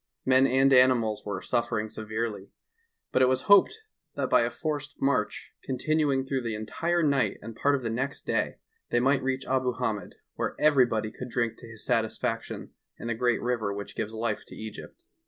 Men and animals were suffering severely, but it was hoped that by a forced march, continuing through the entire uight and part of the next day, they might reach Abu Hamed, where everybody could drink to his satisfaction in the great river which gives life to Egypt.